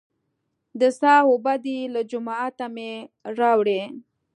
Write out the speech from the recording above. د څاه اوبه دي، له جوماته مې راوړې.